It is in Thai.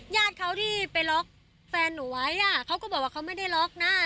ญาติเขาที่ไปล็อกแฟนหนูไว้เขาก็บอกว่าเขาไม่ได้ล็อกนะ